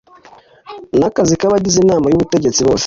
n akazi k abagize inama y ubutegetsi bose